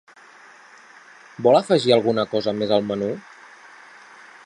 Vol afegir alguna cosa més al menú?